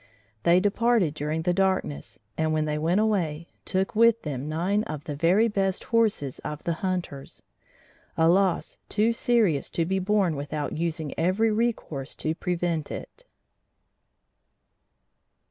They departed during the darkness, and, when they went away, took with them nine of the very best horses of the hunters a loss too serious to be borne without using every recourse to prevent it.